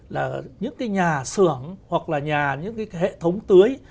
là những cái nhà xưởng hoặc là nhà những cái hệ thống tưới